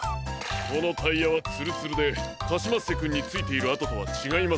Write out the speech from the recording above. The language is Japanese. このタイヤはツルツルでカシマッセくんについているあととはちがいますね。